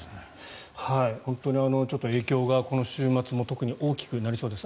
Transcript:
本当に影響がこの週末も大きくなりそうです。